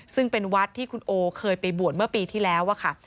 ซึ่งเป็นวัดที่คุณโอเคยไปบวชเมื่อปีที่แล้วค่ะ